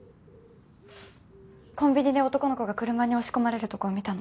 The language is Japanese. コンビニで男の子が車に押し込まれるところ見たの。